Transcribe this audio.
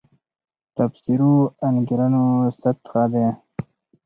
تفسیرو انګېرنو سطح دی.